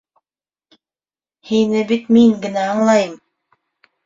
Һине бит мин генә аңлайым!